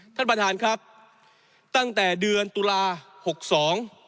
ท่านประธานครับตั้งแต่เดือนตุลาหกสอง